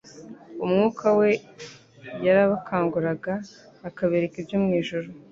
Umwuka we yarabakanguraga akabereka ibyo mu ijuru.